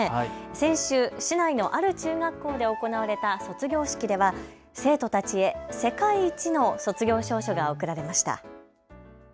先週、市内のある中学校で行われた卒業式では生徒たちへ世界一の卒業証書が贈られました。